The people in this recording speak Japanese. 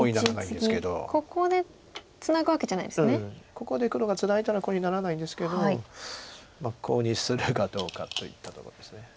ここで黒がツナいだらコウにならないんですけどコウにするかどうかといったところです。